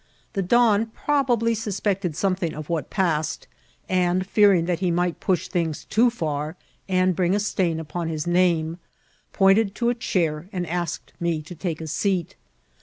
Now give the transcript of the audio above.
The don probably sui^>ected something of what passed ; and, fearing that he might push things too four, and bring a stain upon his name, pointed to a chair, and asked me to take a seat.